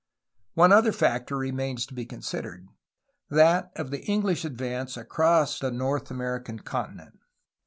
One other factor remains to be considered, that of the English advance across the North American continent.